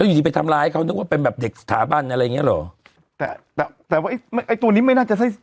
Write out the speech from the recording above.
อยู่ดีไปทำร้ายเขานึกว่าเป็นแบบเด็กสถาบันอะไรอย่างเงี้เหรอแต่แต่แต่ว่าไอ้ไอ้ตัวนี้ไม่น่าจะใช่